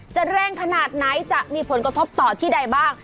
จะแรงขนาดไหนจะมีผลกระทบต่อที่ใดบ้าง